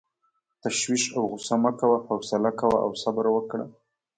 تشویش او غصه مه کوه، حوصله کوه او صبر وکړه.